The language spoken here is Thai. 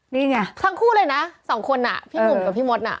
นี่ไงทั้งคู่เลยนะสองคนอ่ะพี่หนุ่มกับพี่มดน่ะ